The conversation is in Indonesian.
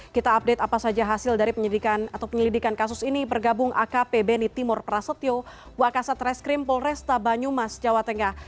kita update apa saja hasil dari penyelidikan atau penyelidikan kasus ini bergabung akp beni timur prasetyo wakasat reskrim polresta banyumas jawa tengah